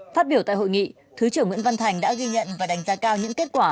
phát biểu tại hội nghị thứ trưởng nguyễn văn thành đã ghi nhận và đánh giá cao những kết quả